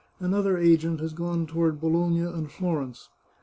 Another agent has gone toward Bologna and Florence.